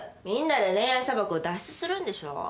みんなで恋愛砂漠を脱出するんでしょ？